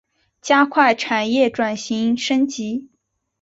加快产业转型升级